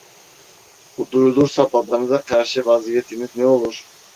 Bu duyulursa babanıza karşı vaziyetiniz ne olur!